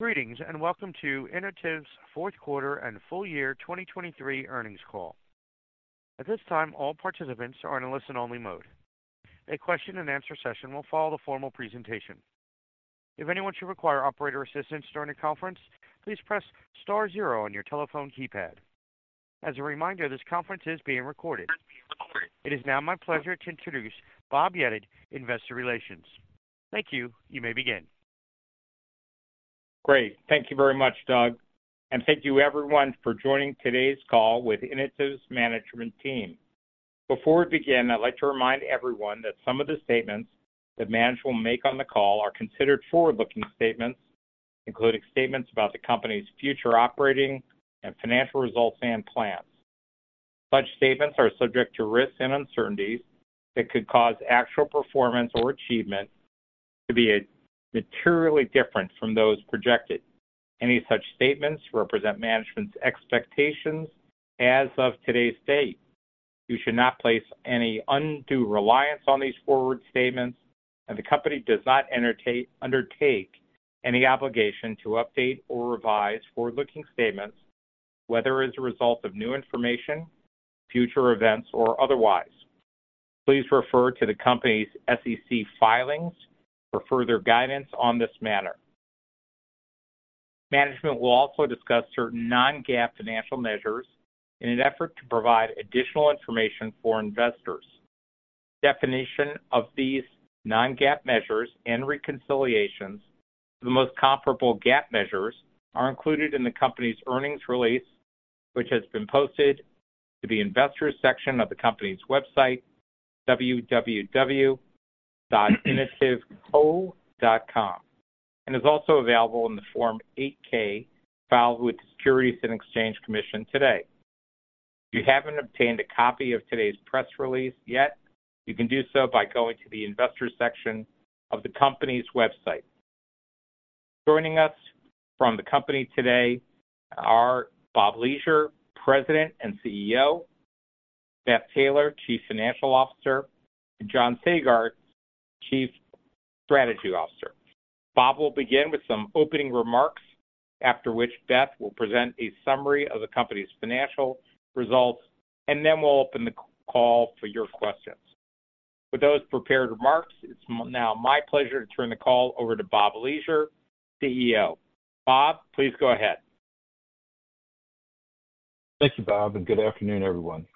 Greetings, and welcome to Inotiv's fourth quarter and full year 2023 earnings call. At this time, all participants are in a listen-only mode. A question and answer session will follow the formal presentation. If anyone should require operator assistance during the conference, please press star zero on your telephone keypad. As a reminder, this conference is being recorded. It is now my pleasure to introduce Bob Yedid, Investor Relations. Thank you. You may begin. Great. Thank you very much, Doug, and thank you everyone for joining today's call with Inotiv's management team. Before we begin, I'd like to remind everyone that some of the statements that management will make on the call are considered forward-looking statements, including statements about the company's future operating and financial results and plans. Such statements are subject to risks and uncertainties that could cause actual performance or achievement to be materially different from those projected. Any such statements represent management's expectations as of today's date. You should not place any undue reliance on these forward statements, and the company does not undertake any obligation to update or revise forward-looking statements, whether as a result of new information, future events, or otherwise. Please refer to the company's SEC filings for further guidance on this matter. Management will also discuss certain non-GAAP financial measures in an effort to provide additional information for investors. Definition of these non-GAAP measures and reconciliations to the most comparable GAAP measures are included in the company's earnings release, which has been posted to the investors section of the company's website, www.inotivco.com, and is also available in the Form 8-K filed with the Securities and Exchange Commission today. If you haven't obtained a copy of today's press release yet, you can do so by going to the investors section of the company's website. Joining us from the company today are Bob Leasure, President and CEO, Beth Taylor, Chief Financial Officer, and John Sagartz, Chief Strategy Officer. Bob will begin with some opening remarks, after which Beth will present a summary of the company's financial results, and then we'll open the call for your questions. With those prepared remarks, it's now my pleasure to turn the call over to Bob Leasure, CEO. Bob, please go ahead. Thank you, Bob, and good afternoon, everyone.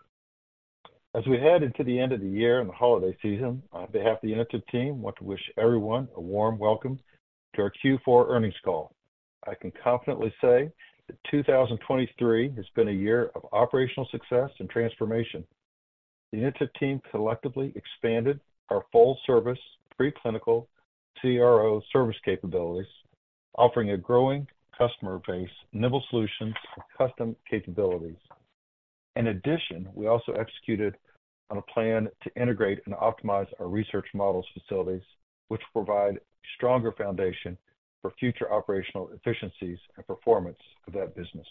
As we head into the end of the year and the holiday season, on behalf of the Inotiv team, I want to wish everyone a warm welcome to our Q4 earnings call. I can confidently say that 2023 has been a year of operational success and transformation. The Inotiv team collectively expanded our full-service preclinical CRO service capabilities, offering a growing customer base nimble solutions and custom capabilities. In addition, we also executed on a plan to integrate and optimize our research models facilities, which provide stronger foundation for future operational efficiencies and performance of that business.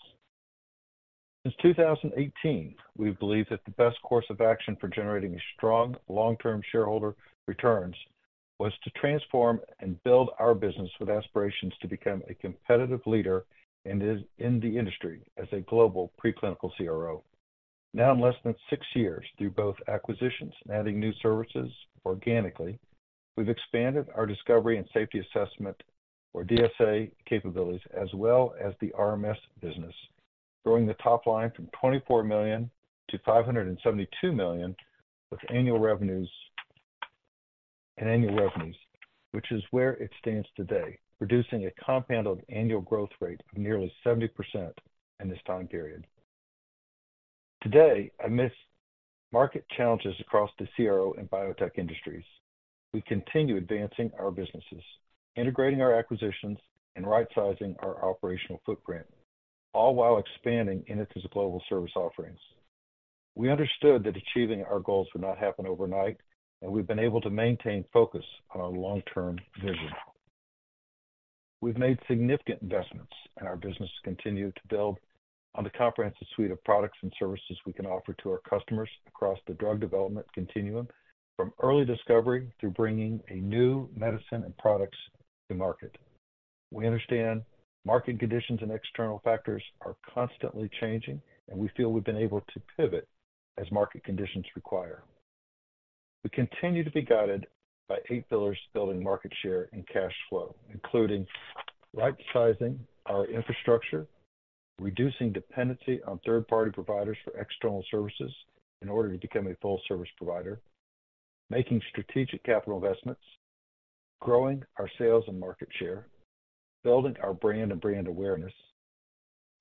Since 2018, we believe that the best course of action for generating strong long-term shareholder returns was to transform and build our business with aspirations to become a competitive leader in the industry as a global preclinical CRO. Now, in less than six years, through both acquisitions and adding new services organically, we've expanded our discovery and safety assessment, or DSA, capabilities, as well as the RMS business, growing the top line from $24 million-$572 million, with annual revenues and annual revenues, which is where it stands today, producing a compounded annual growth rate of nearly 70% in this time period. Today, amidst market challenges across the CRO and biotech industries, we continue advancing our businesses, integrating our acquisitions, and rightsizing our operational footprint, all while expanding Inotiv's global service offerings. We understood that achieving our goals would not happen overnight, and we've been able to maintain focus on our long-term vision. We've made significant investments, and our business has continued to build on the comprehensive suite of products and services we can offer to our customers across the drug development continuum, from early discovery to bringing a new medicine and products to market. We understand market conditions and external factors are constantly changing, and we feel we've been able to pivot as market conditions require. We continue to be guided by eight pillars building market share and cash flow, including rightsizing our infrastructure, reducing dependency on third-party providers for external services in order to become a full service provider, making strategic capital investments, growing our sales and market share, building our brand and brand awareness,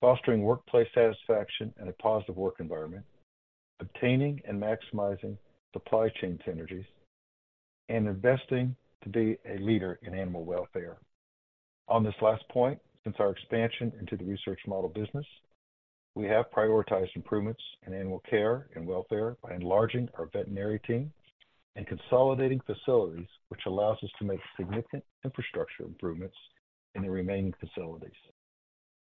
fostering workplace satisfaction and a positive work environment, obtaining and maximizing supply chain synergies, and investing to be a leader in animal welfare. On this last point, since our expansion into the research model business, we have prioritized improvements in animal care and welfare by enlarging our veterinary team and consolidating facilities, which allows us to make significant infrastructure improvements in the remaining facilities....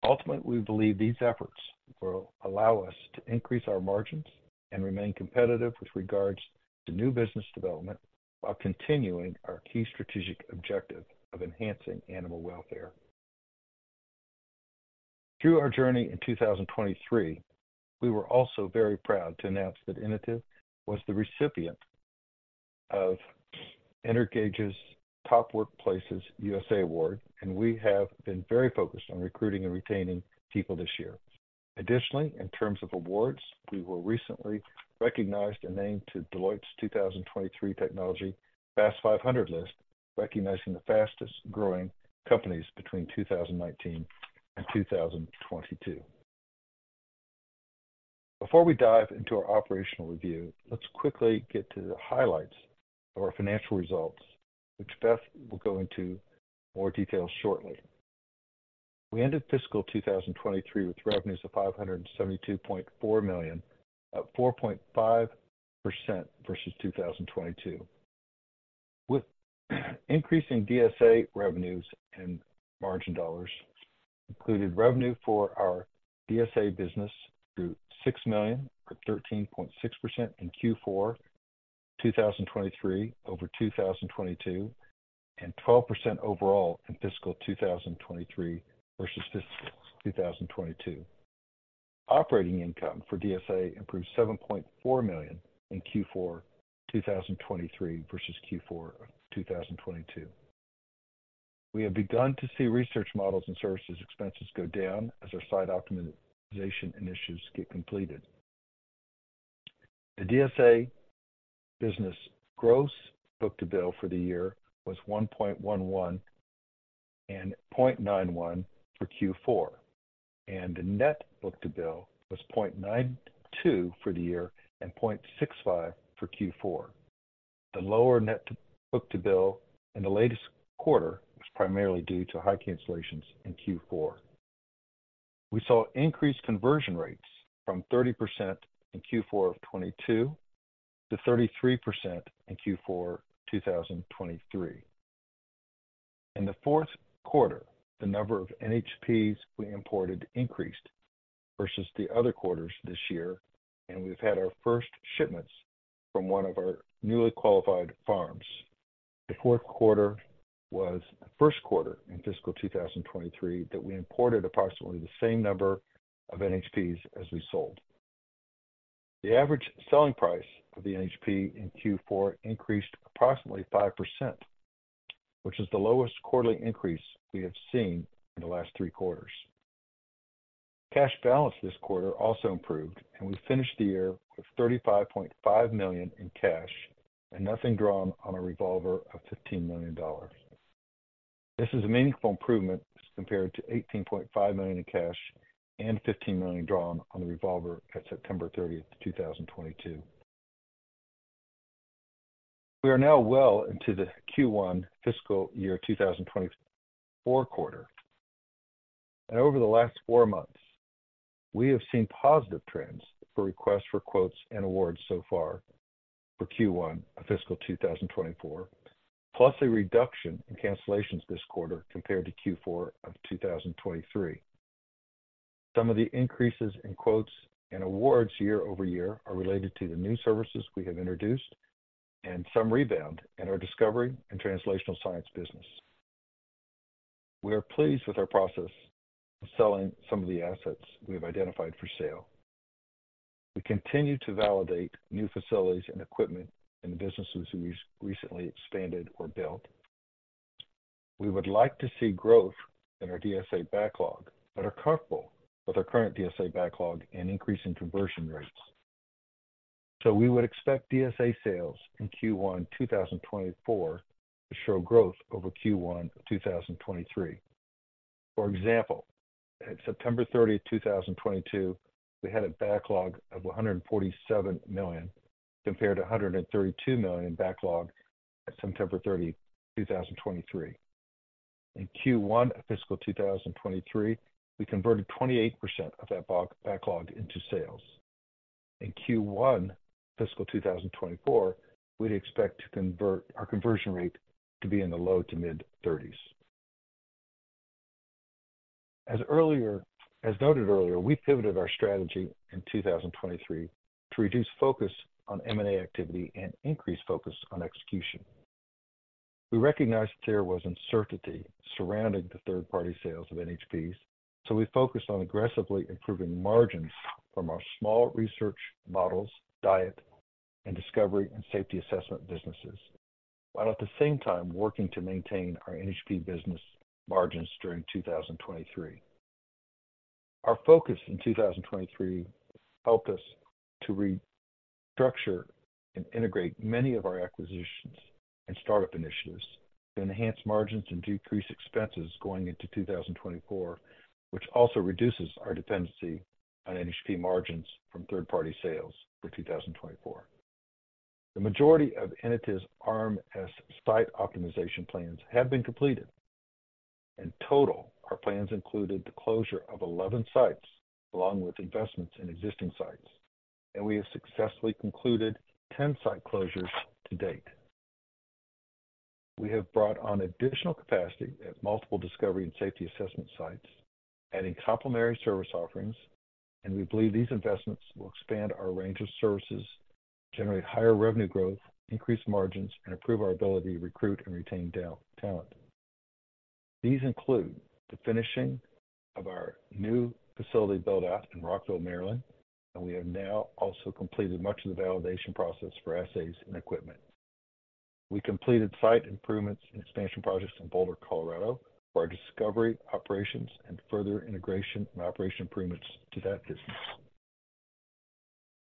Ultimately, we believe these efforts will allow us to increase our margins and remain competitive with regards to new business development, while continuing our key strategic objective of enhancing animal welfare. Through our journey in 2023, we were also very proud to announce that Inotiv was the recipient of Energage's Top Workplaces USA Award, and we have been very focused on recruiting and retaining people this year. Additionally, in terms of awards, we were recently recognized and named to Deloitte's 2023 Technology Fast 500 list, recognizing the fastest-growing companies between 2019 and 2022. Before we dive into our operational review, let's quickly get to the highlights of our financial results, which Beth will go into more detail shortly. We ended fiscal 2023 with revenues of $572.4 million, up 4.5% versus 2022. With increasing DSA revenues and margin dollars, included revenue for our DSA business grew $6 million, or 13.6% in Q4 2023 over 2022, and 12% overall in fiscal 2023 versus fiscal 2022. Operating income for DSA improved $7.4 million in Q4 2023 versus Q4 of 2022. We have begun to see research models and services expenses go down as our site optimization initiatives get completed. The DSA business gross book-to-bill for the year was 1.11 and 0.91 for Q4, and the net book-to-bill was 0.92 for the year and 0.65 for Q4. The lower net book-to-bill in the latest quarter was primarily due to high cancellations in Q4. We saw increased conversion rates from 30% in Q4 of 2022 to 33% in Q4 2023. In the fourth quarter, the number of NHPs we imported increased versus the other quarters this year, and we've had our first shipments from one of our newly qualified farms. The fourth quarter was the first quarter in fiscal 2023 that we imported approximately the same number of NHPs as we sold. The average selling price of the NHP in Q4 increased approximately 5%, which is the lowest quarterly increase we have seen in the last three quarters. Cash balance this quarter also improved, and we finished the year with $35.5 million in cash and nothing drawn on a revolver of $15 million. This is a meaningful improvement compared to $18.5 million in cash and $15 million drawn on the revolver at September 30, 2022. We are now well into the Q1 fiscal year 2024 quarter. Over the last four months, we have seen positive trends for requests for quotes and awards so far for Q1 of fiscal 2024, plus a reduction in cancellations this quarter compared to Q4 of 2023. Some of the increases in quotes and awards year-over-year are related to the new services we have introduced and some rebound in our discovery and translational science business. We are pleased with our process of selling some of the assets we have identified for sale. We continue to validate new facilities and equipment in the businesses we recently expanded or built. We would like to see growth in our DSA backlog, but are comfortable with our current DSA backlog and increase in conversion rates. So we would expect DSA sales in Q1 2024 to show growth over Q1 of 2023. For example, at September thirtieth, 2022, we had a backlog of $147 million, compared to a $132 million backlog at September thirtieth, 2023. In Q1 of fiscal 2023, we converted 28% of that backlog into sales. In Q1 fiscal 2024, we'd expect our conversion rate to be in the low-to-mid 30s%. As noted earlier, we pivoted our strategy in 2023 to reduce focus on M&A activity and increase focus on execution. We recognized that there was uncertainty surrounding the third-party sales of NHPs, so we focused on aggressively improving margins from our small research models, diet, and discovery and safety assessment businesses, while at the same time working to maintain our NHP business margins during 2023. Our focus in 2023 helped us to restructure and integrate many of our acquisitions and startup initiatives to enhance margins and decrease expenses going into 2024, which also reduces our dependency on NHP margins from third-party sales for 2024. The majority of Inotiv's RMS site optimization plans have been completed. In total, our plans included the closure of 11 sites, along with investments in existing sites, and we have successfully concluded ten site closures to date. We have brought on additional capacity at multiple discovery and safety assessment sites, adding complementary service offerings, and we believe these investments will expand our range of services, generate higher revenue growth, increase margins, and improve our ability to recruit and retain top talent. These include the finishing of our new facility build-out in Rockville, Maryland, and we have now also completed much of the validation process for assays and equipment. We completed site improvements and expansion projects in Boulder, Colorado, for our discovery operations and further integration and operation improvements to that business.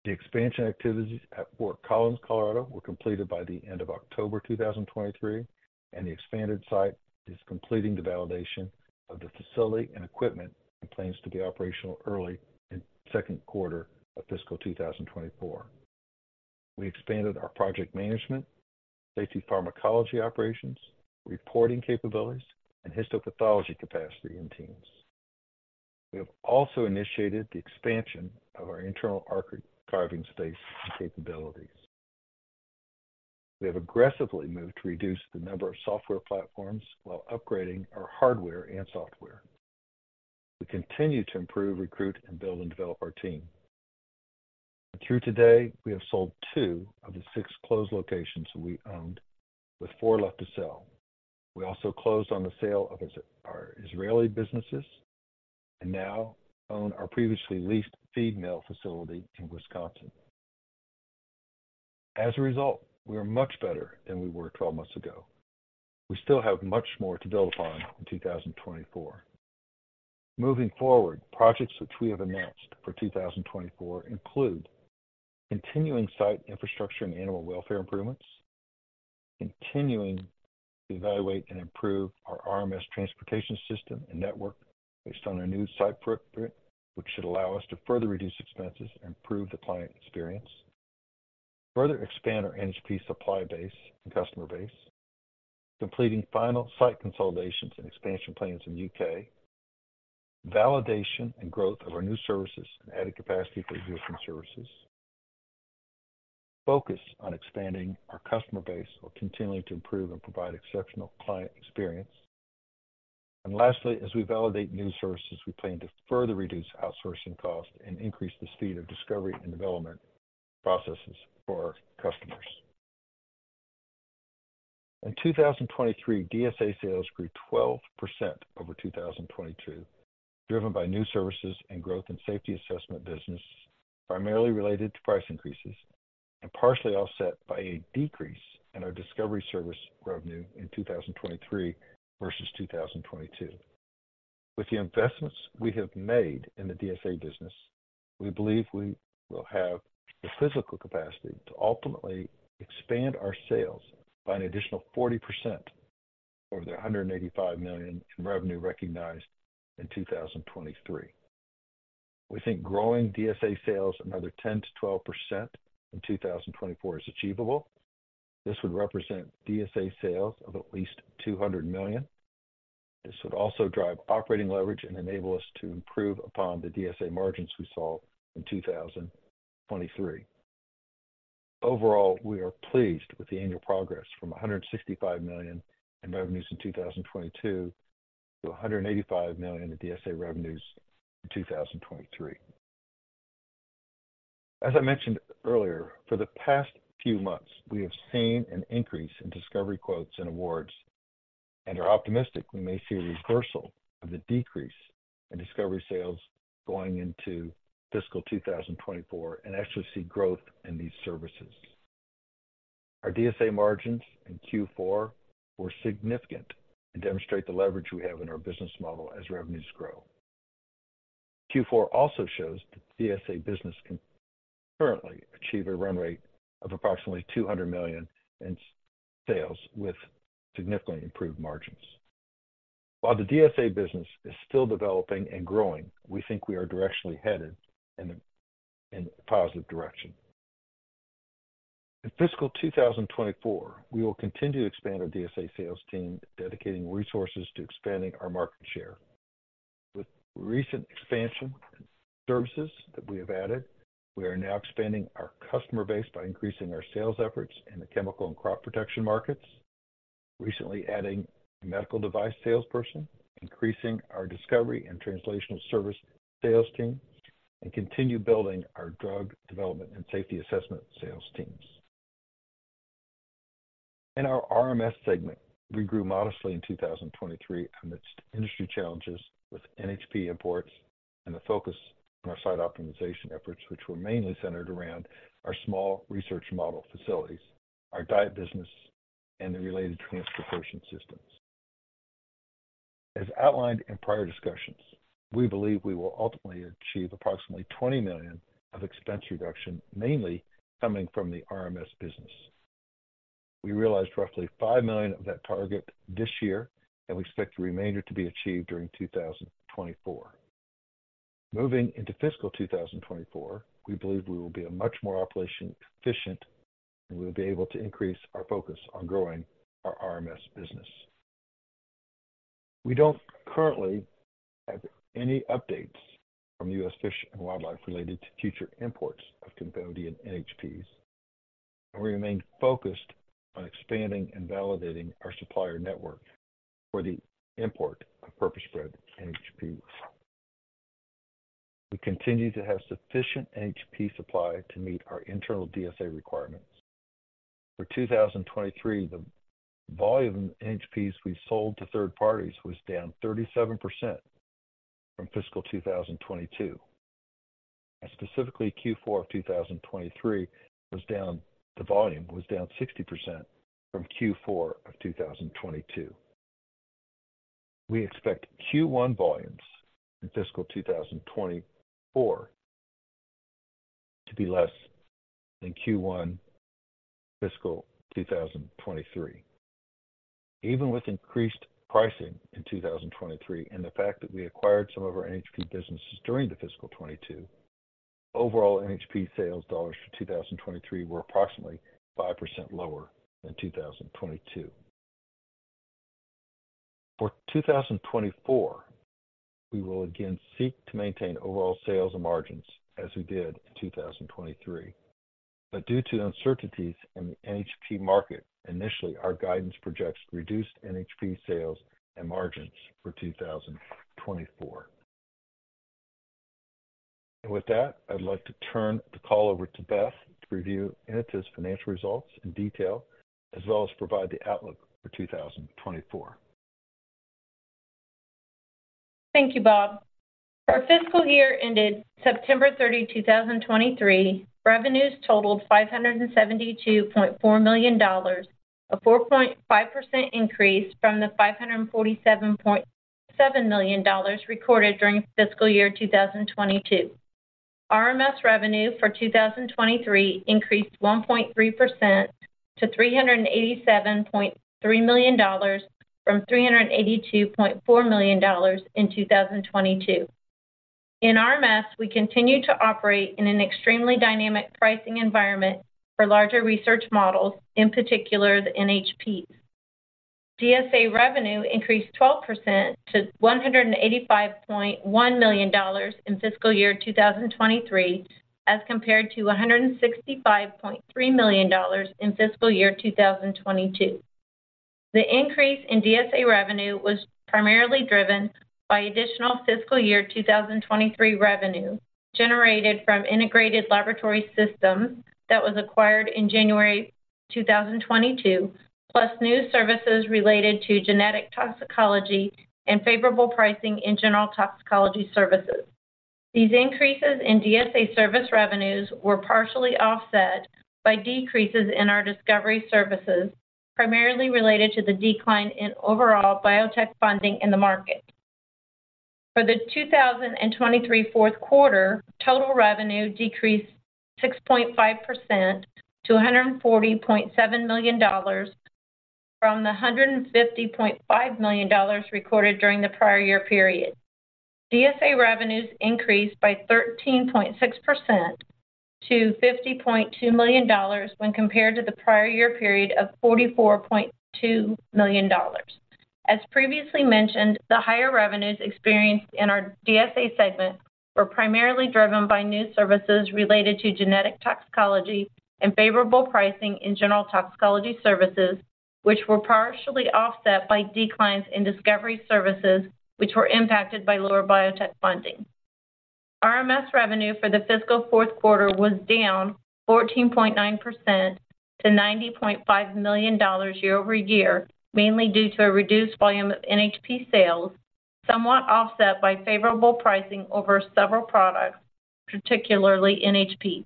The expansion activities at Fort Collins, Colorado, were completed by the end of October 2023, and the expanded site is completing the validation of the facility and equipment and plans to be operational early in second quarter of fiscal 2024. We expanded our project management, safety pharmacology operations, reporting capabilities, and histopathology capacity in teams. We have also initiated the expansion of our internal archiving space and capabilities. We have aggressively moved to reduce the number of software platforms while upgrading our hardware and software. We continue to improve, recruit, and build and develop our team. Through today, we have sold two of the six closed locations we owned, with four left to sell. We also closed on the sale of our Israeli businesses and now own our previously leased feed mill facility in Wisconsin. As a result, we are much better than we were 12 months ago. We still have much more to build upon in 2024. Moving forward, projects which we have announced for 2024 include continuing site infrastructure and animal welfare improvements, continuing to evaluate and improve our RMS transportation system and network based on our new site footprint, which should allow us to further reduce expenses and improve the client experience. Further expand our NHP supply base and customer base. Completing final site consolidations and expansion plans in U.K. Validation and growth of our new services and adding capacity for existing services. Focus on expanding our customer base while continuing to improve and provide exceptional client experience. And lastly, as we validate new services, we plan to further reduce outsourcing costs and increase the speed of discovery and development processes for our customers. In 2023, DSA sales grew 12% over 2022, driven by new services and growth in safety assessment businesses, primarily related to price increases, and partially offset by a decrease in our discovery service revenue in 2023 versus 2022. With the investments we have made in the DSA business, we believe we will have the physical capacity to ultimately expand our sales by an additional 40% over the $185 million in revenue recognized in 2023. We think growing DSA sales another 10%-12% in 2024 is achievable. This would represent DSA sales of at least $200 million. This would also drive operating leverage and enable us to improve upon the DSA margins we saw in 2023. Overall, we are pleased with the annual progress from $165 million in revenues in 2022 to $185 million in DSA revenues in 2023. As I mentioned earlier, for the past few months, we have seen an increase in discovery quotes and awards and are optimistic we may see a reversal of the decrease in discovery sales going into fiscal 2024 and actually see growth in these services. Our DSA margins in Q4 were significant and demonstrate the leverage we have in our business model as revenues grow. Q4 also shows that the DSA business can currently achieve a run rate of approximately $200 million in sales with significantly improved margins. While the DSA business is still developing and growing, we think we are directionally headed in a positive direction. In fiscal 2024, we will continue to expand our DSA sales team, dedicating resources to expanding our market share. With recent expansion and services that we have added, we are now expanding our customer base by increasing our sales efforts in the chemical and crop protection markets. Recently adding a medical device salesperson, increasing our discovery and translational service sales team, and continue building our drug development and safety assessment sales teams. In our RMS segment, we grew modestly in 2023 amidst industry challenges with NHP imports and a focus on our site optimization efforts, which were mainly centered around our small research model facilities, our diet business, and the related transportation systems. As outlined in prior discussions, we believe we will ultimately achieve approximately $20 million of expense reduction, mainly coming from the RMS business. We realized roughly $5 million of that target this year, and we expect the remainder to be achieved during 2024. Moving into fiscal 2024, we believe we will be a much more operationally efficient, and we will be able to increase our focus on growing our RMS business.... We don't currently have any updates from U.S. Fish and Wildlife related to future imports of Cambodian NHPs, and we remain focused on expanding and validating our supplier network for the import of purpose-bred NHPs. We continue to have sufficient NHP supply to meet our internal DSA requirements. For 2023, the volume of NHPs we sold to third parties was down 37% from fiscal 2022, and specifically Q4 of 2023 was down—the volume was down 60% from Q4 of 2022. We expect Q1 volumes in fiscal 2024 to be less than Q1 fiscal 2023. Even with increased pricing in 2023, and the fact that we acquired some of our NHP businesses during the fiscal 2022, overall NHP sales dollars for 2023 were approximately 5% lower than 2022. For 2024, we will again seek to maintain overall sales and margins as we did in 2023. But due to uncertainties in the NHP market, initially, our guidance projects reduced NHP sales and margins for 2024. And with that, I'd like to turn the call over to Beth to review Inotiv's financial results in detail, as well as provide the outlook for 2024. Thank you, Bob. Our fiscal year ended September 30, 2023. Revenues totaled $572.4 million, a 4.5% increase from the $547.7 million recorded during fiscal year 2022. RMS revenue for 2023 increased 1.3% to $387.3 million from $382.4 million in 2022. In RMS, we continued to operate in an extremely dynamic pricing environment for larger research models, in particular, the NHPs. DSA revenue increased 12% to $185.1 million in fiscal year 2023, as compared to $165.3 million in fiscal year 2022. The increase in DSA revenue was primarily driven by additional fiscal year 2023 revenue generated from Integrated Laboratory Systems that was acquired in January 2022, plus new services related to genetic toxicology and favorable pricing in general toxicology services. These increases in DSA service revenues were partially offset by decreases in our discovery services, primarily related to the decline in overall biotech funding in the market. For the 2023 fourth quarter, total revenue decreased 6.5% to $140.7 million from the $150.5 million recorded during the prior year period. DSA revenues increased by 13.6% to $50.2 million when compared to the prior year period of $44.2 million. As previously mentioned, the higher revenues experienced in our DSA segment were primarily driven by new services related to genetic toxicology and favorable pricing in general toxicology services, which were partially offset by declines in discovery services, which were impacted by lower biotech funding. RMS revenue for the fiscal fourth quarter was down 14.9% to $90.5 million year-over-year, mainly due to a reduced volume of NHP sales, somewhat offset by favorable pricing over several products, particularly NHPs.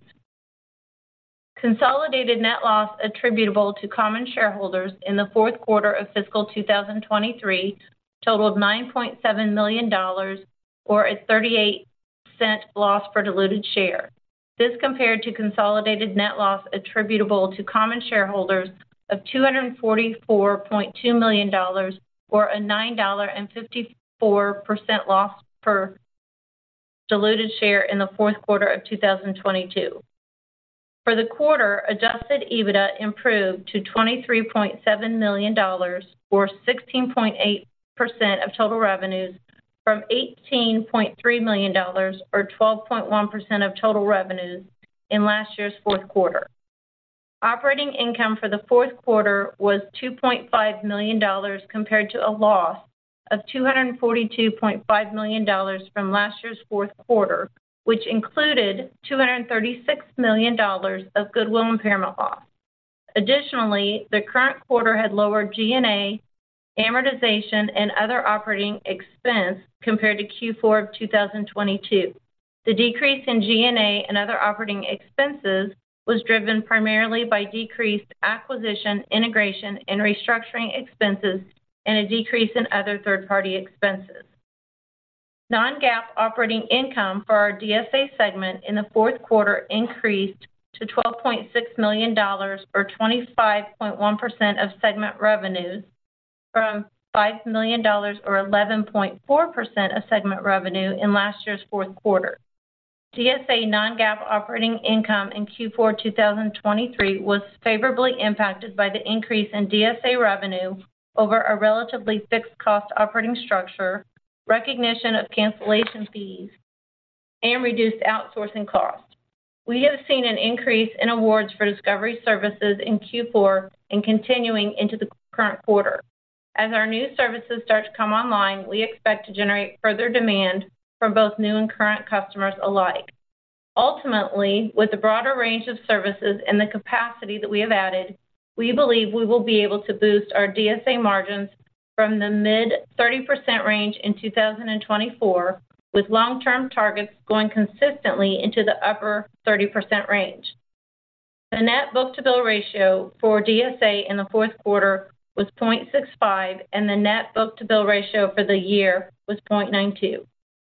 Consolidated net loss attributable to common shareholders in the fourth quarter of fiscal 2023 totaled $9.7 million, or a 38-cent loss per diluted share. This compared to consolidated net loss attributable to common shareholders of $244.2 million, or a $9.54 loss per diluted share in the fourth quarter of 2022. For the quarter, Adjusted EBITDA improved to $23.7 million, or 16.8% of total revenues from $18.3 million, or 12.1% of total revenues in last year's fourth quarter. Operating income for the fourth quarter was $2.5 million, compared to a loss of $242.5 million from last year's fourth quarter, which included $236 million of goodwill impairment loss. Additionally, the current quarter had lower G&A, amortization, and other operating expense compared to Q4 of 2022. The decrease in G&A and other operating expenses was driven primarily by decreased acquisition, integration, and restructuring expenses and a decrease in other third-party expenses. Non-GAAP operating income for our DSA segment in the fourth quarter increased to $12.6 million, or 25.1% of segment revenues, from $5 million or 11.4% of segment revenue in last year's fourth quarter. DSA non-GAAP operating income in Q4 2023 was favorably impacted by the increase in DSA revenue over a relatively fixed cost operating structure, recognition of cancellation fees, and reduced outsourcing costs. We have seen an increase in awards for discovery services in Q4 and continuing into the current quarter. As our new services start to come online, we expect to generate further demand from both new and current customers alike. Ultimately, with a broader range of services and the capacity that we have added, we believe we will be able to boost our DSA margins from the mid-30% range in 2024, with long-term targets going consistently into the upper 30% range. The net book-to-bill ratio for DSA in the fourth quarter was 0.65, and the net book-to-bill ratio for the year was 0.92.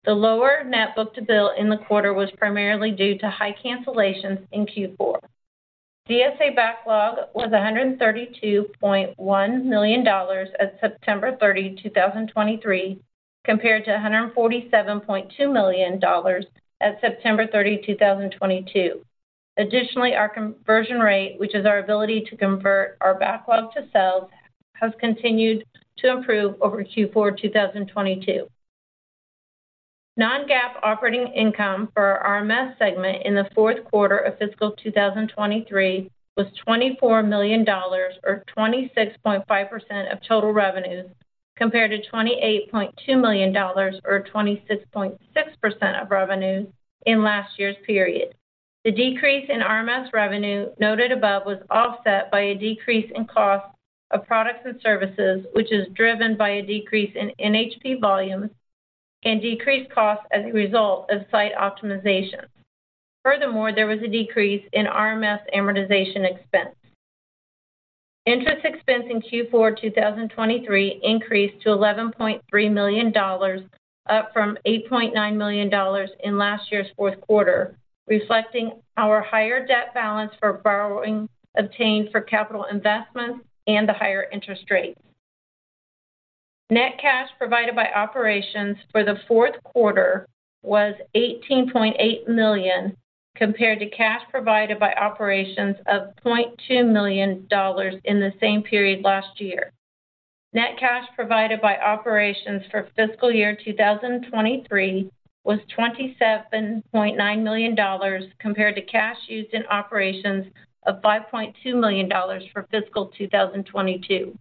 The lower net book to bill in the quarter was primarily due to high cancellations in Q4. DSA backlog was $132.1 million as of September 30, 2023, compared to $147.2 million at September 30, 2022. Additionally, our conversion rate, which is our ability to convert our backlog to sales, has continued to improve over Q4 2022. Non-GAAP Operating Income for our RMS segment in the fourth quarter of fiscal 2023 was $24 million, or 26.5% of total revenues, compared to $28.2 million, or 26.6% of revenues in last year's period. The decrease in RMS revenue noted above was offset by a decrease in cost of products and services, which is driven by a decrease in NHP volumes and decreased costs as a result of site optimization. Furthermore, there was a decrease in RMS amortization expense. Interest expense in Q4 2023 increased to $11.3 million, up from $8.9 million in last year's fourth quarter, reflecting our higher debt balance for borrowing obtained for capital investments and the higher interest rates. Net cash provided by operations for the fourth quarter was $18.8 million, compared to cash provided by operations of $0.2 million in the same period last year. Net cash provided by operations for fiscal year 2023 was $27.9 million, compared to cash used in operations of $5.2 million for fiscal 2022.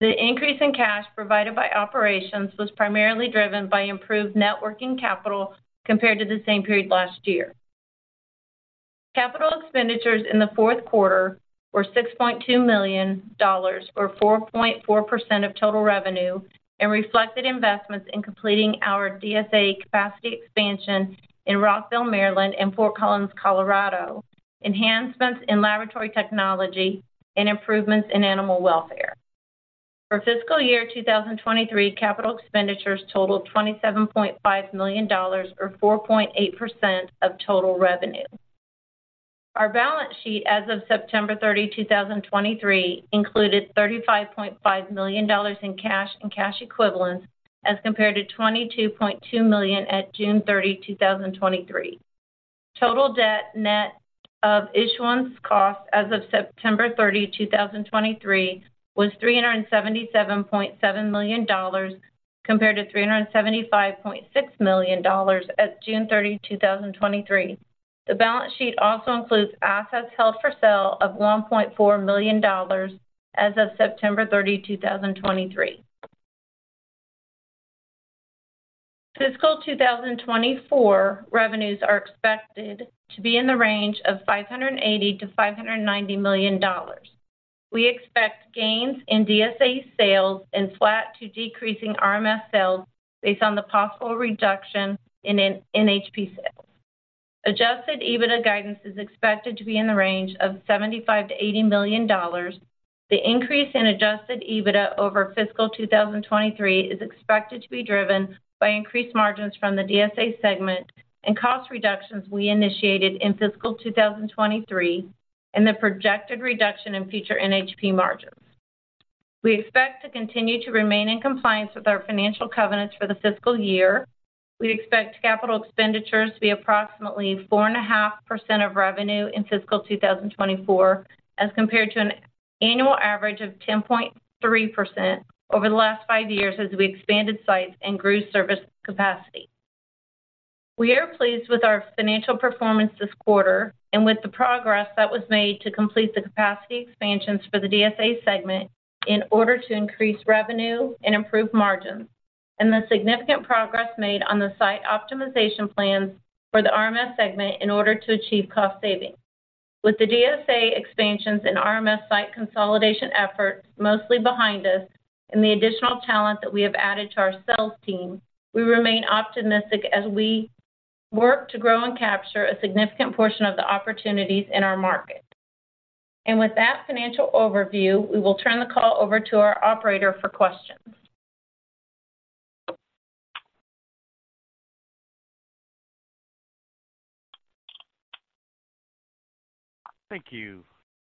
The increase in cash provided by operations was primarily driven by improved net working capital compared to the same period last year. Capital expenditures in the fourth quarter were $6.2 million, or 4.4% of total revenue, and reflected investments in completing our DSA capacity expansion in Rockville, Maryland, and Fort Collins, Colorado, enhancements in laboratory technology and improvements in animal welfare. For fiscal year 2023, capital expenditures totaled $27.5 million, or 4.8% of total revenue. Our balance sheet as of September 30, 2023, included $35.5 million in cash and cash equivalents as compared to $22.2 million at June 30, 2023. Total debt net of issuance costs as of September 30, 2023, was $377.7 million, compared to $375.6 million at June 30, 2023. The balance sheet also includes assets held for sale of $1.4 million as of September 30, 2023. Fiscal 2024 revenues are expected to be in the range of $580 million-$590 million. We expect gains in DSA sales and flat to decreasing RMS sales based on the possible reduction in NHP sales. Adjusted EBITDA guidance is expected to be in the range of $75 million-$80 million. The increase in adjusted EBITDA over fiscal 2023 is expected to be driven by increased margins from the DSA segment and cost reductions we initiated in fiscal 2023, and the projected reduction in future NHP margins. We expect to continue to remain in compliance with our financial covenants for the fiscal year. We expect capital expenditures to be approximately 4.5% of revenue in fiscal 2024, as compared to an annual average of 10.3% over the last five years as we expanded sites and grew service capacity. We are pleased with our financial performance this quarter and with the progress that was made to complete the capacity expansions for the DSA segment in order to increase revenue and improve margins, and the significant progress made on the site optimization plans for the RMS segment in order to achieve cost savings. With the DSA expansions and RMS site consolidation efforts mostly behind us and the additional talent that we have added to our sales team, we remain optimistic as we work to grow and capture a significant portion of the opportunities in our market. With that financial overview, we will turn the call over to our operator for questions. Thank you.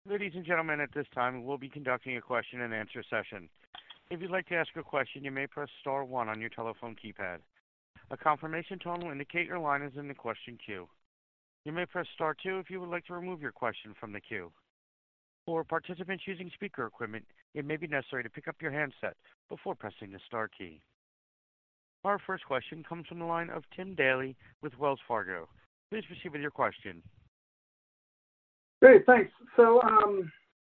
Ladies and gentlemen, at this time, we'll be conducting a question and answer session. If you'd like to ask a question, you may press star one on your telephone keypad. A confirmation tone will indicate your line is in the question queue. You may press star two if you would like to remove your question from the queue. For participants using speaker equipment, it may be necessary to pick up your handset before pressing the star key. Our first question comes from the line of Tim Daly with Wells Fargo. Please proceed with your question. Great, thanks. So,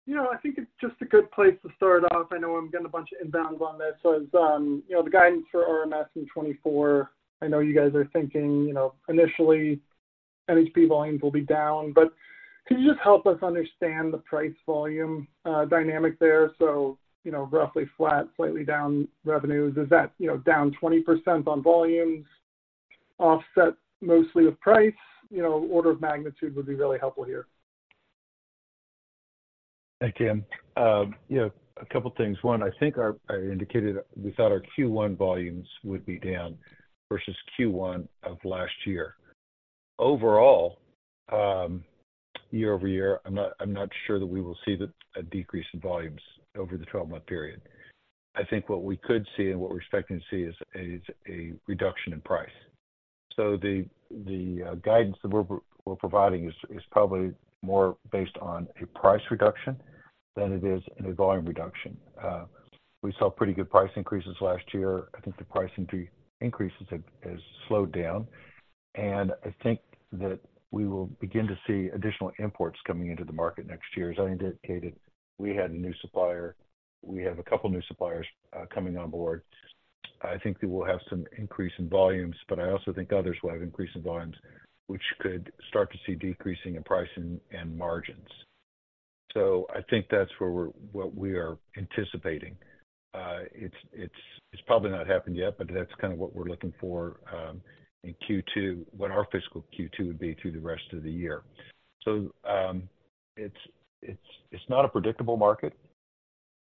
you know, I think it's just a good place to start off. I know I'm getting a bunch of inbounds on this. So as, you know, the guidance for RMS in 2024, I know you guys are thinking, you know, initially, NHP volumes will be down. But can you just help us understand the price volume dynamic there? So, you know, roughly flat, slightly down revenues, is that, you know, down 20% on volumes, offset mostly with price? You know, order of magnitude would be really helpful here. Hey, Tim. You know, a couple things. One, I think I indicated we thought our Q1 volumes would be down versus Q1 of last year. Overall, year-over-year, I'm not sure that we will see a decrease in volumes over the twelve-month period. I think what we could see and what we're expecting to see is a reduction in price. So the guidance that we're providing is probably more based on a price reduction than it is in a volume reduction. We saw pretty good price increases last year. I think the pricing increases have slowed down, and I think that we will begin to see additional imports coming into the market next year. As I indicated, we had a new supplier. We have a couple new suppliers coming on board. I think they will have some increase in volumes, but I also think others will have increase in volumes, which could start to see decreasing in pricing and margins. So I think that's where we're—what we are anticipating. It's probably not happened yet, but that's kind of what we're looking for, in Q2, what our fiscal Q2 would be through the rest of the year. So, it's not a predictable market,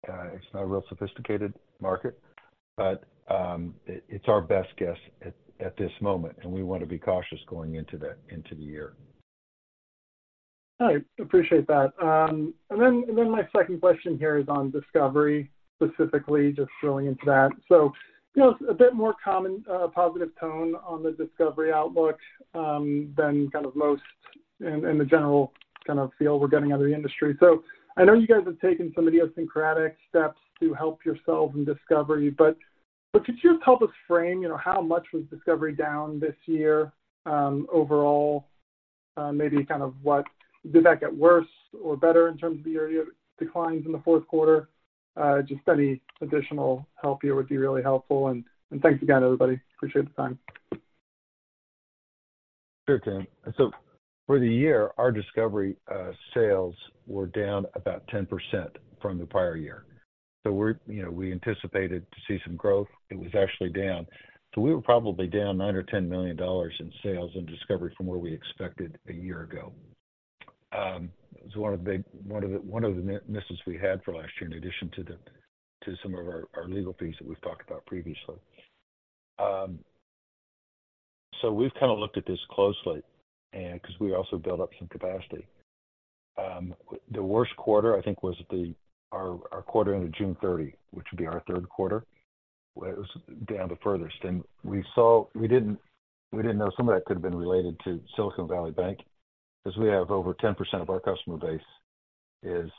it's not a real sophisticated market, but, it's our best guess at this moment, and we want to be cautious going into the year. All right. Appreciate that. And then my second question here is on discovery, specifically, just drilling into that. So, you know, a bit more common positive tone on the discovery outlook than kind of most in the general kind of feel we're getting out of the industry. So I know you guys have taken some idiosyncratic steps to help yourselves in discovery, but could you just help us frame, you know, how much was discovery down this year, overall? Maybe kind of what did that get worse or better in terms of the area declines in the fourth quarter? Just any additional help here would be really helpful. And thanks again, everybody. Appreciate the time. Sure, Tim. So for the year, our discovery sales were down about 10% from the prior year. So we're, you know, we anticipated to see some growth. It was actually down. So we were probably down $9 million-$10 million in sales in discovery from where we expected a year ago. It was one of the big misses we had for last year, in addition to some of our legal fees that we've talked about previously. So we've kind of looked at this closely, and because we also built up some capacity. The worst quarter, I think, was our quarter into June 30, which would be our third quarter, where it was down the furthest. We saw—we didn't, we didn't know some of that could have been related to Silicon Valley Bank, because we have over 10% of our customer base is,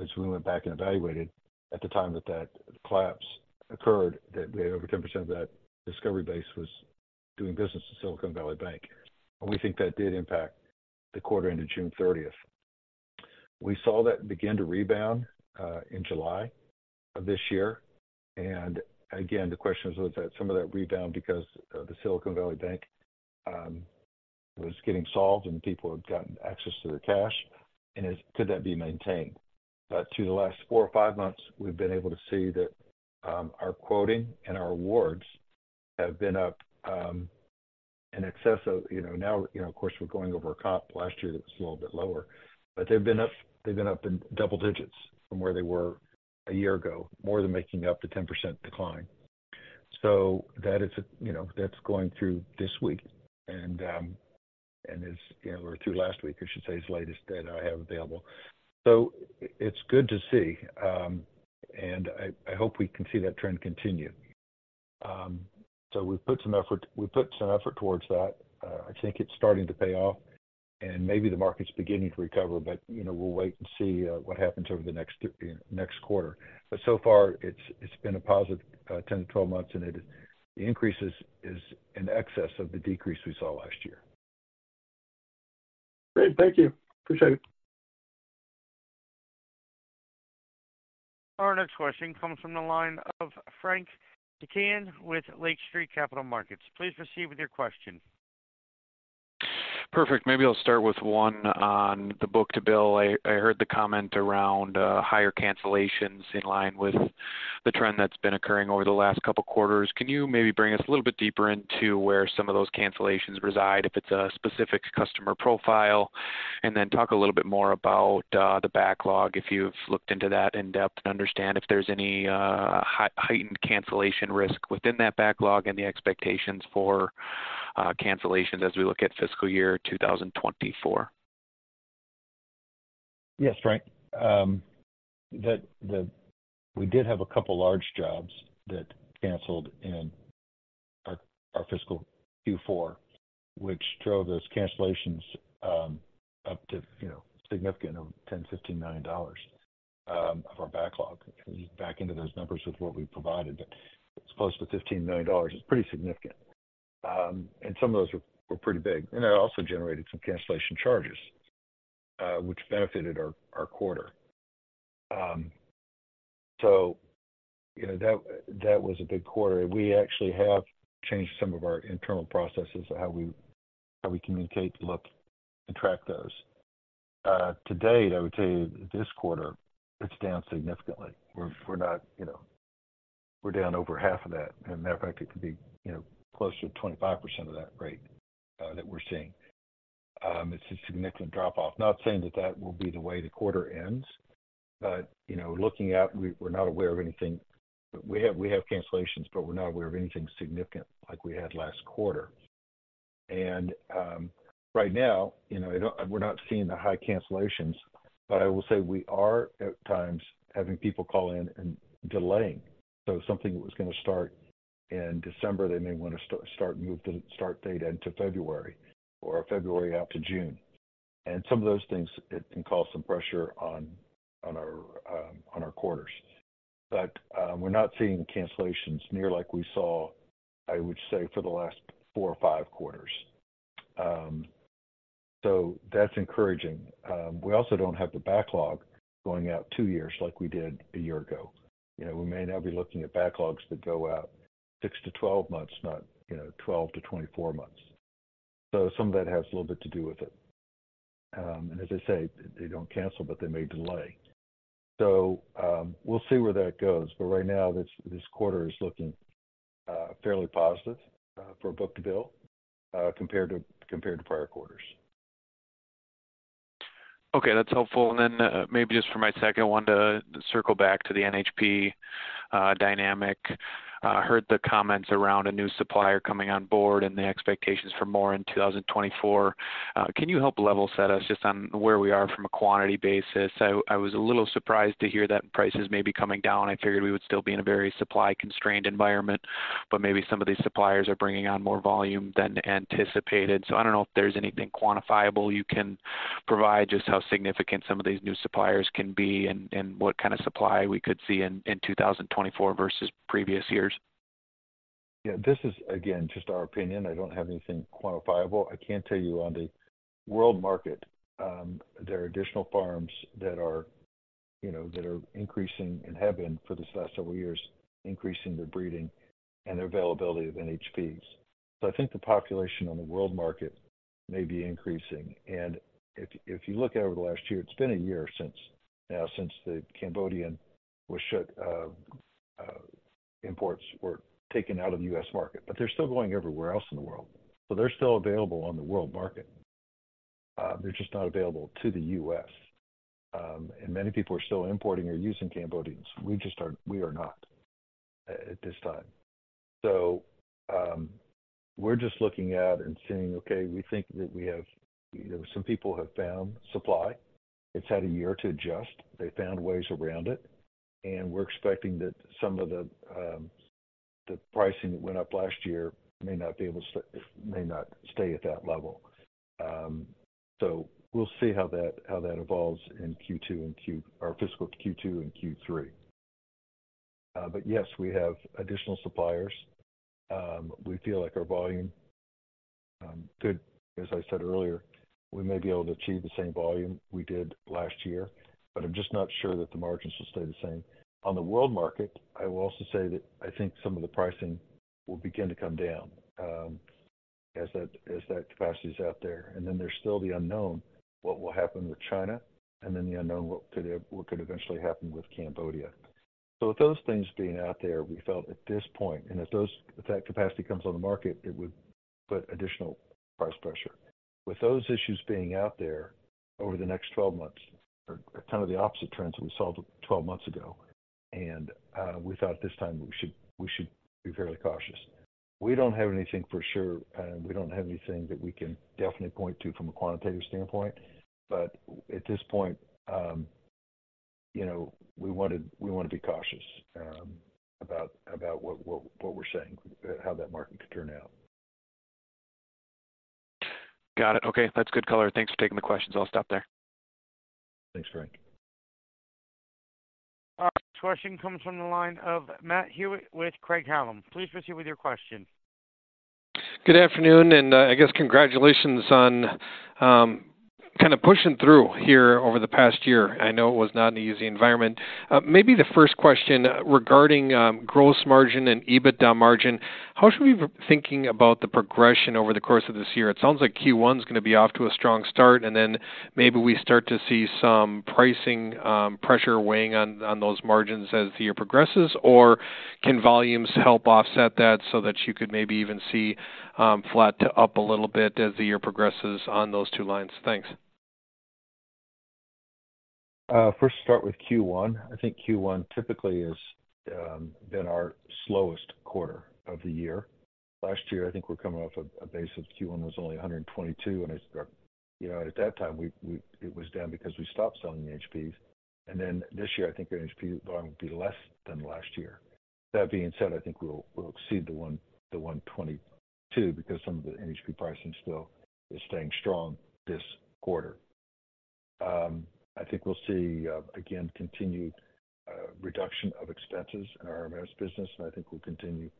as we went back and evaluated at the time that that collapse occurred, that we had over 10% of that discovery base was doing business with Silicon Valley Bank. And we think that did impact the quarter into June 30. We saw that begin to rebound in July of this year. And again, the question was that some of that rebound because the Silicon Valley Bank was getting solved and people had gotten access to their cash, and is—could that be maintained? But to the last four or five months, we've been able to see that, our quoting and our awards have been up, in excess of, you know, now, you know, of course, we're going over a comp last year that was a little bit lower, but they've been up, they've been up in double digits from where they were a year ago, more than making up the 10% decline. So that is a, you know, that's going through this week and, and is, you know, or through last week, I should say, is the latest data I have available. So it's good to see, and I, I hope we can see that trend continue. So we've put some effort, we've put some effort towards that. I think it's starting to pay off, and maybe the market's beginning to recover, but, you know, we'll wait and see what happens over the next quarter. But so far, it's been a positive 10-12 months, and the increase is in excess of the decrease we saw last year. Great. Thank you. Appreciate it. Our next question comes from the line of Frank Takkinen with Lake Street Capital Markets. Please proceed with your question. Perfect. Maybe I'll start with one on the book to bill. I heard the comment around higher cancellations in line with the trend that's been occurring over the last couple quarters. Can you maybe bring us a little bit deeper into where some of those cancellations reside, if it's a specific customer profile? And then talk a little bit more about the backlog, if you've looked into that in depth and understand if there's any heightened cancellation risk within that backlog and the expectations for cancellations as we look at fiscal year 2024? Yes, Frank. The, the—we did have a couple large jobs that canceled in our, our fiscal Q4, which drove those cancellations, up to, you know, significant, over $10-$15 million, of our backlog. You can back into those numbers with what we provided. It's close to $15 million. It's pretty significant. And some of those were pretty big, and it also generated some cancellation charges, which benefited our, our quarter. So, you know, that was a big quarter. We actually have changed some of our internal processes of how we, how we communicate to look and track those. To date, I would tell you that this quarter, it's down significantly. We're, we're not, you know... We're down over half of that, and matter of fact, it could be, you know, closer to 25% of that rate that we're seeing. It's a significant drop-off. Not saying that that will be the way the quarter ends, but, you know, looking out, we're not aware of anything. We have cancellations, but we're not aware of anything significant like we had last quarter. And right now, you know, we're not seeing the high cancellations, but I will say we are, at times, having people call in and delaying. So if something was going to start in December, they may want to start, move the start date into February or February out to June. And some of those things, it can cause some pressure on our quarters. But, we're not seeing cancellations nearly like we saw, I would say, for the last four or five quarters. So that's encouraging. We also don't have the backlog going out two years like we did a year ago. You know, we may now be looking at backlogs that go out 6-12 months, not, you know, 12-24 months. So some of that has a little bit to do with it. And as I say, they don't cancel, but they may delay. So, we'll see where that goes. But right now, this, this quarter is looking fairly positive for book-to-bill, compared to, compared to prior quarters. Okay, that's helpful. And then, maybe just for my second, I wanted to circle back to the NHP dynamic. Heard the comments around a new supplier coming on board and the expectations for more in 2024. Can you help level set us just on where we are from a quantity basis? I, I was a little surprised to hear that prices may be coming down. I figured we would still be in a very supply-constrained environment, but maybe some of these suppliers are bringing on more volume than anticipated. So I don't know if there's anything quantifiable you can provide, just how significant some of these new suppliers can be and, and what kind of supply we could see in, in 2024 versus previous years. Yeah, this is, again, just our opinion. I don't have anything quantifiable. I can tell you on the world market, there are additional farms that are, you know, that are increasing, and have been for this last several years, increasing their breeding and their availability of NHPs. So I think the population on the world market may be increasing. And if you look over the last year, it's been a year since, now, since the Cambodian was shut, imports were taken out of the U.S. market, but they're still going everywhere else in the world. So they're still available on the world market. They're just not available to the U.S. Um, and many people are still importing or using Cambodians. We just are not, at this time. So, we're just looking at and seeing, okay, we think that we have, you know, some people have found supply. It's had a year to adjust. They found ways around it, and we're expecting that some of the, the pricing that went up last year may not be able to may not stay at that level. So we'll see how that, how that evolves in Q2 and Q3 or fiscal Q2 and Q3. But yes, we have additional suppliers. We feel like our volume, could, as I said earlier, we may be able to achieve the same volume we did last year, but I'm just not sure that the margins will stay the same. On the world market, I will also say that I think some of the pricing will begin to come down, as that, as that capacity is out there. And then there's still the unknown, what will happen with China, and then the unknown, what could eventually happen with Cambodia. So with those things being out there, we felt at this point, and if that capacity comes on the market, it would put additional price pressure. With those issues being out there over the next 12 months are kind of the opposite trends that we saw 12 months ago, and we thought this time we should be fairly cautious. We don't have anything for sure, and we don't have anything that we can definitely point to from a quantitative standpoint. But at this point, you know, we want to be cautious about what we're saying, how that market could turn out. Got it. Okay, that's good color. Thanks for taking the questions. I'll stop there. Thanks, Frank. Our next question comes from the line of Matt Hewitt with Craig-Hallum. Please proceed with your question. Good afternoon, and I guess congratulations on kind of pushing through here over the past year. I know it was not an easy environment. Maybe the first question regarding gross margin and EBITDA margin. How should we be thinking about the progression over the course of this year? It sounds like Q1 is going to be off to a strong start, and then maybe we start to see some pricing pressure weighing on those margins as the year progresses. Or can volumes help offset that so that you could maybe even see flat to up a little bit as the year progresses on those two lines? Thanks. First start with Q1. I think Q1 typically is been our slowest quarter of the year. Last year, I think we're coming off a base of Q1 was only $122, You know, at that time, it was down because we stopped selling the NHPs. And then this year, I think our NHP volume will be less than last year. That being said, I think we'll exceed the $122 because some of the NHP pricing still is staying strong this quarter. I think we'll see again continued reduction of expenses in our RMS business, and I think we'll continue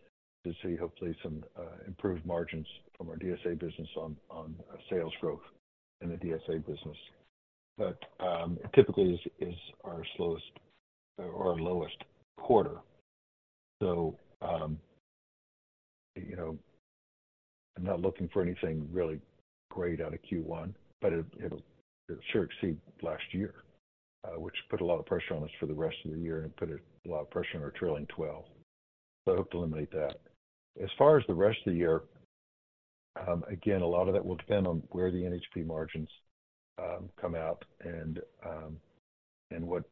to see, hopefully, some improved margins from our DSA business on sales growth in the DSA business. But it typically is our slowest or our lowest quarter. So, you know, I'm not looking for anything really great out of Q1, but it, it'll sure exceed last year, which put a lot of pressure on us for the rest of the year and put a lot of pressure on our trailing twelve. So I hope to eliminate that. As far as the rest of the year, again, a lot of that will depend on where the NHP margins come out and, and what,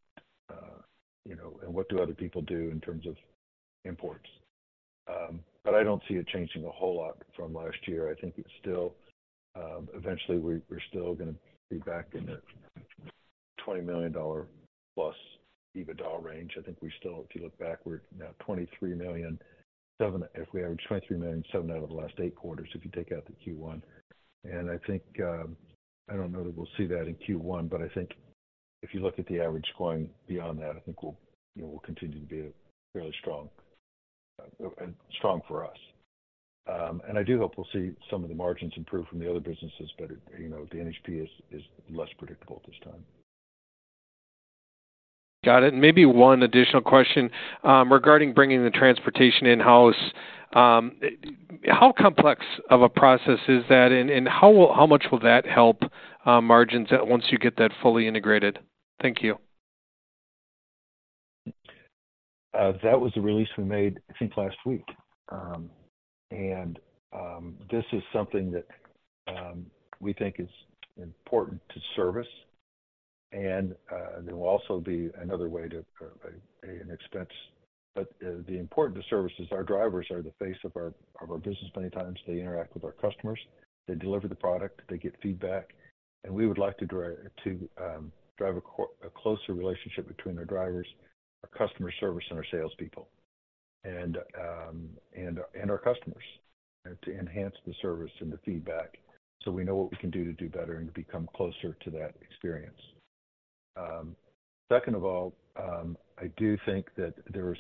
you know, and what do other people do in terms of imports. But I don't see it changing a whole lot from last year. I think it's still, eventually, we're, we're still gonna be back in the $20 million plus EBITDA range. I think we still, if you look backward, now, $23.7 million—if we average $23.7 million out of the last eight quarters, if you take out the Q1. And I think, I don't know that we'll see that in Q1, but I think if you look at the average going beyond that, I think we'll, you know, we'll continue to be fairly strong, strong for us. And I do hope we'll see some of the margins improve from the other businesses, but, you know, the NHP is less predictable at this time. Got it. Maybe one additional question. Regarding bringing the transportation in-house, how complex of a process is that, and how much will that help margins once you get that fully integrated? Thank you. That was the release we made, I think, last week. And, this is something that, we think is important to service, and, there will also be another way to, an expense. But, the important to service is our drivers are the face of our business. Many times they interact with our customers, they deliver the product, they get feedback, and we would like to drive a closer relationship between our drivers, our customer service, and our salespeople, and, and our customers, to enhance the service and the feedback so we know what we can do to do better and become closer to that experience. Second of all, I do think that there's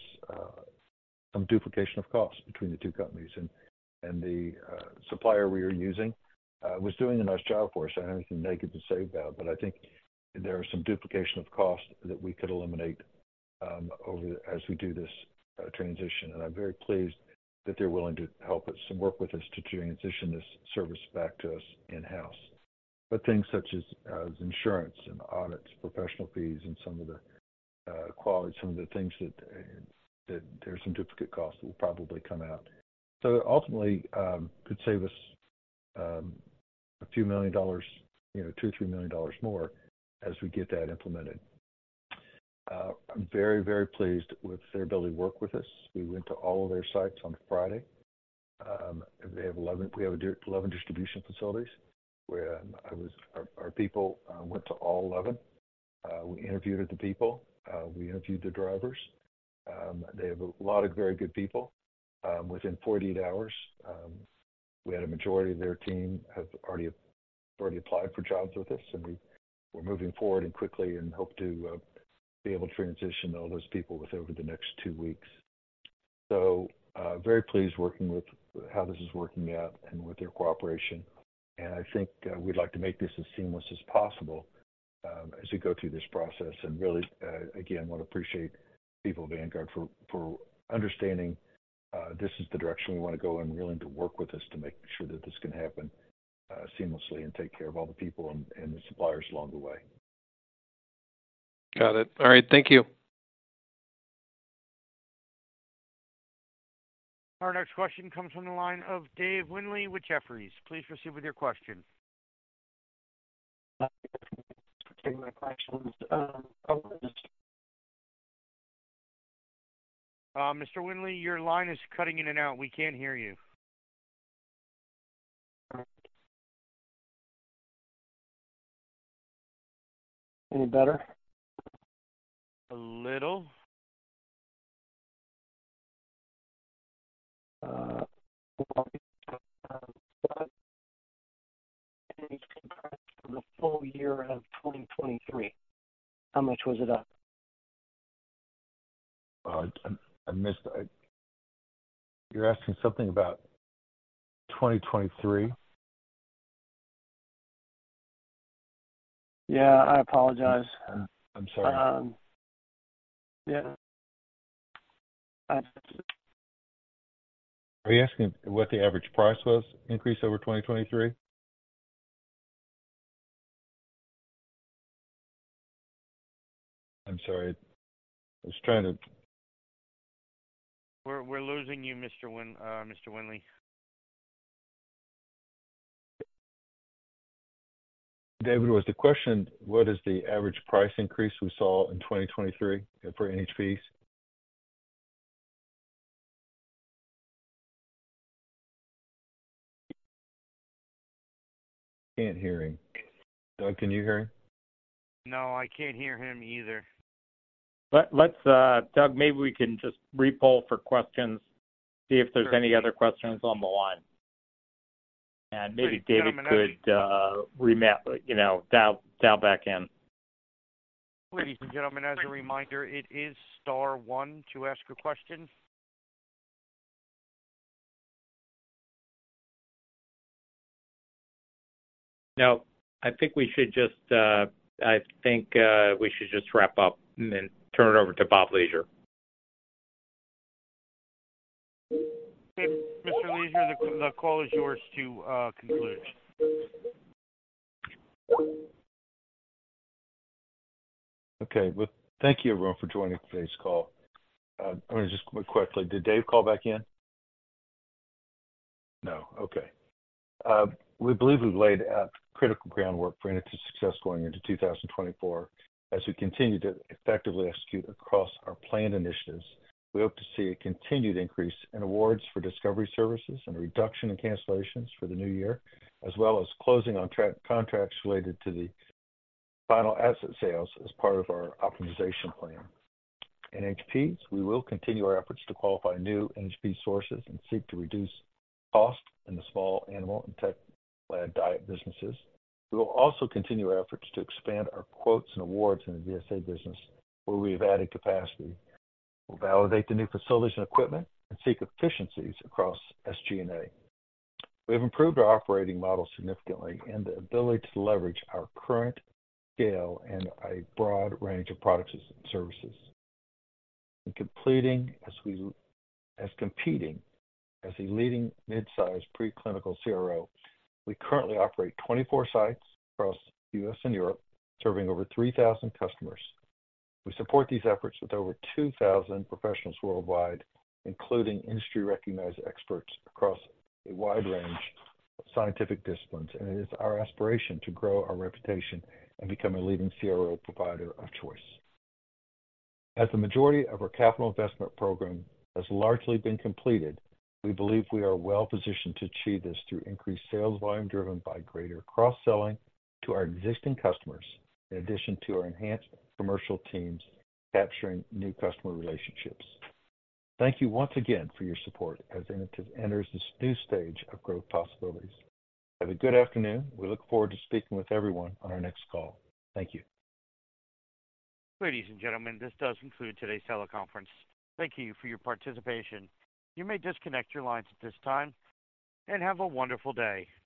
some duplication of costs between the two companies. The supplier we are using was doing a nice job for us. I don't have anything negative to say about, but I think there are some duplication of costs that we could eliminate over the as we do this transition. I'm very pleased that they're willing to help us and work with us to transition this service back to us in-house. But things such as insurance and audits, professional fees, and some of the quality, some of the things that that there's some duplicate costs that will probably come out. So ultimately, could save us a few million dollars, you know, $2-$3 million more as we get that implemented. I'm very, very pleased with the way they work with us. We went to all of their sites on Friday. They have 11-- we have 11 distribution facilities, where I was... Our people went to all 11. We interviewed the people, we interviewed the drivers. They have a lot of very good people. Within 48 hours, we had a majority of their team have already applied for jobs with us, and we're moving forward and quickly and hope to be able to transition all those people with over the next two weeks. So, very pleased working with how this is working out and with their cooperation, and I think we'd like to make this as seamless as possible, as we go through this process. Really, again, want to appreciate the people of Vanguard for understanding this is the direction we want to go and willing to work with us to make sure that this can happen seamlessly and take care of all the people and the suppliers along the way. Got it. All right. Thank you. Our next question comes from the line of Dave Windley with Jefferies. Please proceed with your question. Thank you. My questions are... Mr. Windley, your line is cutting in and out. We can't hear you. Any better? A little. For the full year of 2023, how much was it up? I missed that. You're asking something about 2023? Yeah, I apologize. I'm sorry. Um, yeah. Are you asking what the average price was increased over 2023? I'm sorry. I was trying to- We're losing you, Mr. Windley.... David, was the question, what is the average price increase we saw in 2023 for NHPs? I can't hear him. Doug, can you hear him? No, I can't hear him either. Let's, Doug, maybe we can just repoll for questions, see if there's any other questions on the line, and maybe David could remap, you know, dial back in. Ladies and gentlemen, as a reminder, it is star one to ask a question. No, I think we should just, I think, we should just wrap up and then turn it over to Bob Leasure. Mr. Leasure, the call is yours to conclude. Okay. Well, thank you, everyone, for joining today's call. Let me just quickly, did Dave call back in? No. Okay. We believe we've laid out critical groundwork for Inotiv's success going into 2024. As we continue to effectively execute across our planned initiatives, we hope to see a continued increase in awards for discovery services and a reduction in cancellations for the new year, as well as closing on trailing contracts related to the final asset sales as part of our optimization plan. In NHPs, we will continue our efforts to qualify new NHP sources and seek to reduce costs in the small animal and Teklad diet businesses. We will also continue our efforts to expand our quotes and awards in the DSA business, where we have added capacity. We'll validate the new facilities and equipment and seek efficiencies across SG&A. We've improved our operating model significantly and the ability to leverage our current scale and a broad range of products and services. As competing as a leading mid-sized preclinical CRO, we currently operate 24 sites across the U.S. and Europe, serving over 3,000 customers. We support these efforts with over 2,000 professionals worldwide, including industry-recognized experts across a wide range of scientific disciplines, and it is our aspiration to grow our reputation and become a leading CRO provider of choice. As the majority of our capital investment program has largely been completed, we believe we are well positioned to achieve this through increased sales volume, driven by greater cross-selling to our existing customers, in addition to our enhanced commercial teams capturing new customer relationships. Thank you once again for your support as Inotiv enters this new stage of growth possibilities. Have a good afternoon. We look forward to speaking with everyone on our next call. Thank you. Ladies and gentlemen, this does conclude today's teleconference. Thank you for your participation. You may disconnect your lines at this time, and have a wonderful day.